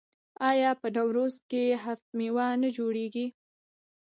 آیا په نوروز کې هفت میوه نه جوړیږي؟